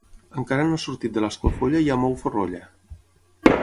Encara no ha sortit de l'esclofolla i ja mou forrolla.